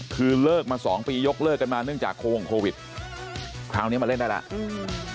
คือเลิกมาสองปียกเลิกกันมาเนื่องจากโควิดคราวนี้มาเล่นได้แล้วอืม